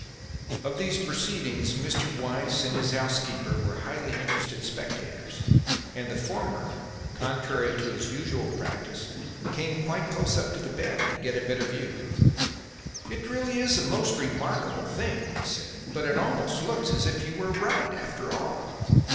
Of these proceedings Mr. Weiss and his housekeeper were highly interested spectators, and the former, contrary to his usual practice, came quite close up to the bed, to get a better view. "It is really a most remarkable thing," he said, "but it almost looks as if you were right, after all.